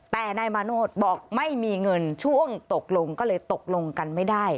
แต่นายมาโนธบอกไม่มีเงินช่วงตกลงก็เลยตกลงกันไม่ได้